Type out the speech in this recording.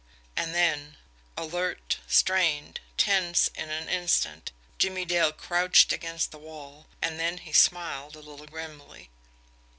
And then alert, strained, tense in an instant, Jimmie Dale crouched against the wall and then he smiled a little grimly.